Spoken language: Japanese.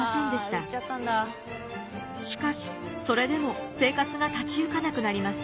しかしそれでも生活が立ち行かなくなります。